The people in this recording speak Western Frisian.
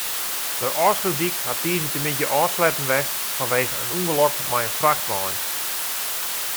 De Ofslútdyk hat tiisdeitemiddei ôfsletten west fanwegen in ûngelok mei in frachtwein.